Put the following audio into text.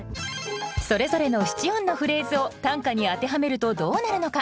それぞれの七音のフレーズを短歌に当てはめるとどうなるのか。